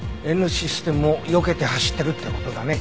Ｎシステムをよけて走ってるって事だね。